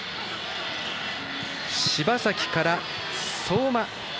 柴崎から相馬。